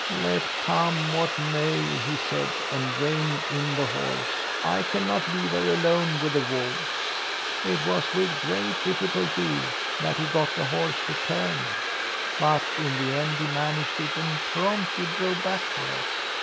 "'Let come what may,' he said, and reined in the horse, 'I cannot leave her alone with the wolves!' "It was with great difficulty that he got the horse to turn, but in the end he managed it and promptly drove back to her.